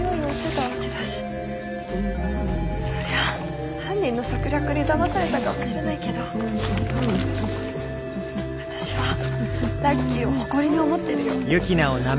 そりゃ犯人の策略にだまされたかもしれないけど私はラッキーを誇りに思ってるよ。